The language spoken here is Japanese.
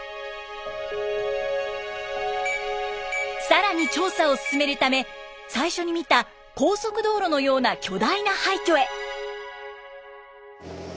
更に調査を進めるため最初に見た高速道路のような巨大な廃虚へ。